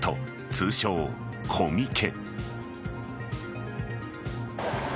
通称、コミケ。